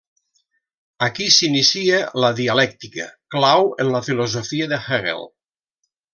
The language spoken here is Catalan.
Aquí s'inicia la dialèctica, clau en la filosofia de Hegel.